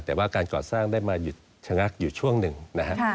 แต่ว่าการก่อสร้างได้มาหยุดชะงักอยู่ช่วงหนึ่งนะฮะ